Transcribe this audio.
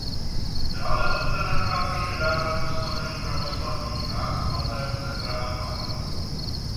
Dále se zde nachází nedávno postavený pravoslavný chrám svatého Petra a Pavla.